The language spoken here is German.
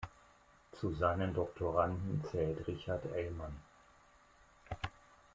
Zu seinen Doktoranden zählt Richard Elman.